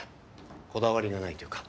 こだわりがないというか。